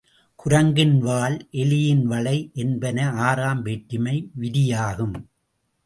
குரங்கின் வால், எலியின் வளை என்பன ஆறாம் வேற்றுமை விரியாகும்.